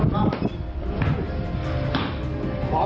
พอพอพอ